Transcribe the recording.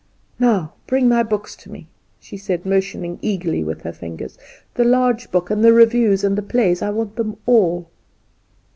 "Now bring my books to me," she said, motioning eagerly with her fingers; "the large book, and the reviews and the plays I want them all."